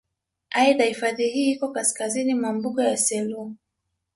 Aidha hifadhi hii iko kaskazini kwa mbuga ya Selous